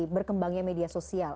berkembangnya media sosial